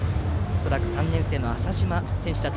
恐らく３年生の浅嶋選手。